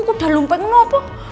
aku udah lumpeng lu apa